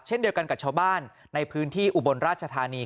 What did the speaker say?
เช่นเดียวกันกับชาวบ้านในพื้นที่อุบลราชธานี